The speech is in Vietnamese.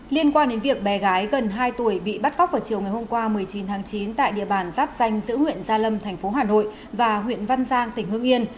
liên quan đến việc bé gái gần hai tuổi bị bắt cóc vào chiều ngày hôm qua một mươi chín tháng chín tại địa bàn giáp danh giữa huyện gia lâm thành phố hà nội và huyện văn giang tỉnh hương yên